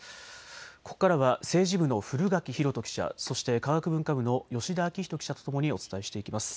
ここからは政治部の古垣弘人記者、そして科学文化部の吉田明人記者とともにお伝えしていきます。